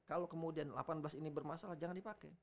kalau kemudian delapan belas ini bermasalah jangan dipake